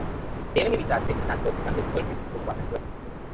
Deben evitarse tanto oxidantes fuertes como bases fuertes.